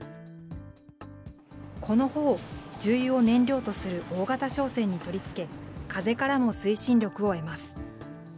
この帆を、重油を燃料とする大型商船に取り付け、風からの推進力を得ます。